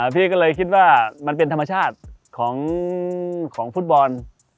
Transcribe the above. พี่ก็เลยคิดว่ามันเป็นธรรมชาติของฟุตบอล